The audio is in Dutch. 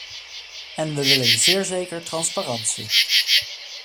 En we willen zeer zeker transparantie.